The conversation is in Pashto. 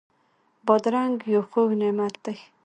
بادرنګ یو خوږ نعمت دی.